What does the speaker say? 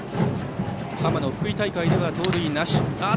浜野、福井大会では盗塁なし。